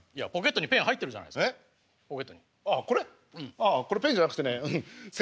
ああこれペンじゃなくてね洗濯ネット。